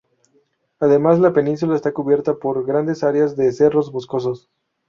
Además la península está cubierta por grandes áreas de cerros boscosos.